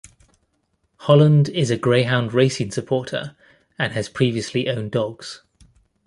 Holland is a greyhound racing supporter and has previously owned dogs.